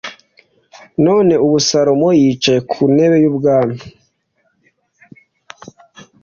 None ubu Salomo yicaye ku ntebe y’ubwami.